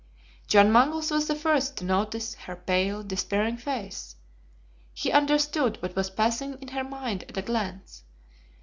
John Mangles was the first to notice her pale, despairing face; he understood what was passing in her mind at a glance.